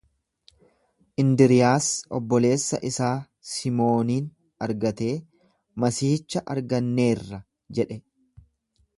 Indriiyaas obboleessa isaa Simoonin argatee, Masiihicha arganneerra jedhe.